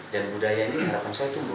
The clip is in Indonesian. dan budaya ini harapan saya tumbuh